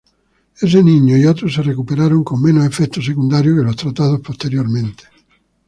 Ese niño y otros se recuperaron con menos efectos secundarios que los tratados posteriormente.